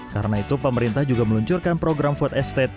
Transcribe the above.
karena itu pemerintah juga meluncurkan program food estate